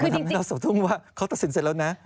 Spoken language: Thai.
ทำให้เราสะทุ่มว่าเขาตัดสินเสร็จแล้วนะ